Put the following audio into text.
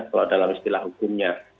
kalau dalam istilah hukumnya